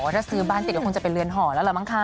อ๋อถ้าซื้อบ้านติดกับเราคงจะเป็นเรือนห่อแล้วแหละมั้งค่ะ